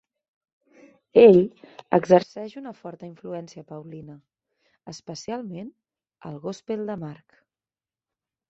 Ell exerceix una forta influència paulina, especialment al gospel de Mark.